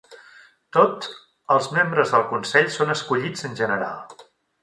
Tot els membres del Consell són escollits en general.